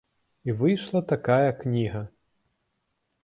І выйшла такая кніга.